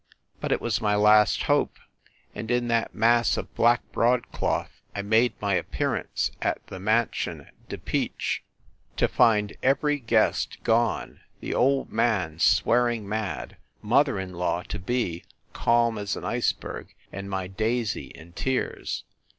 But it was my last hope, and in that mass of black broadcloth I made my appearance at the Mansion de Peach, to find every guest gone, the old man swearing mad, mother in law to be calm as an iceberg, and my Daisy in tears.